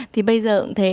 thì bây giờ cũng thế